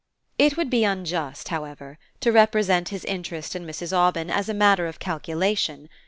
It would be unjust, however, to represent his interest in Mrs. Aubyn as a matter of calculation.